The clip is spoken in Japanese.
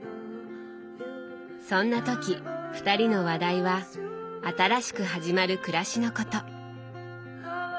そんな時二人の話題は新しく始まる暮らしのこと。